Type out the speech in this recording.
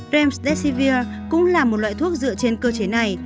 dremstesivir cũng là một loại thuốc dựa trên cơ chế này